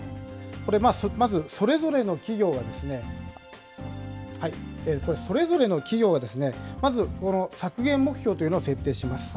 これ、まず、それぞれの企業が、まず、削減目標というのを設定します。